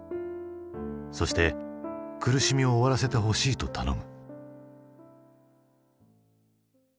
そして苦しみを終わらせてほしいと頼む。